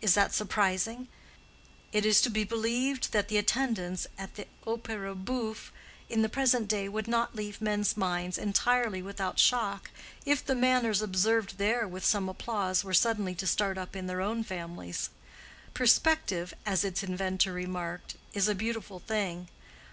Is that surprising? It is to be believed that attendance at the opéra bouffe in the present day would not leave men's minds entirely without shock, if the manners observed there with some applause were suddenly to start up in their own families. Perspective, as its inventor remarked, is a beautiful thing.